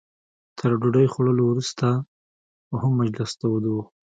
تر ډوډۍ خوړلو وروسته هم مجلس تود و.